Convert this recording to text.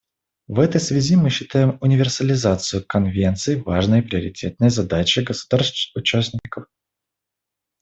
В этой связи мы считаем универсализацию Конвенции важной и приоритетной задачей государств-участников.